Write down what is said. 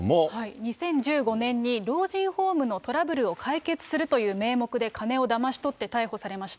２０１５年に老人ホームのトラブルを解決するという名目で、金をだまし取って逮捕されました。